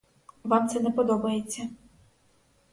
Вам це не подобається.